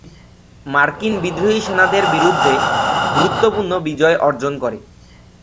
মার্কিন বিদ্রোহী সেনাদের বিরুদ্ধে তারা গুরুত্বপূর্ণ বিজয় অর্জন করে।